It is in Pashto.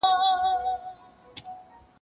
زه پرون د سبا لپاره د ژبي تمرين کوم!